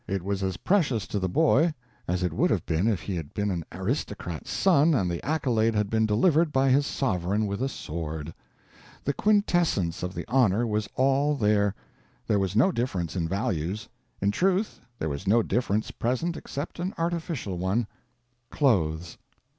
It was as precious to the boy as it would have been if he had been an aristocrat's son and the accolade had been delivered by his sovereign with a sword. The quintessence of the honor was all there; there was no difference in values; in truth there was no difference present except an artificial one clothes.